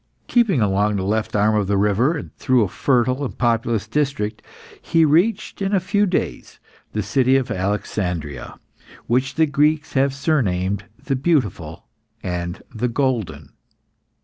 Keeping along the left arm of the river and through a fertile and populous district, he reached, in a few days, the city of Alexandria, which the Greeks have surnamed the Beautiful and the Golden.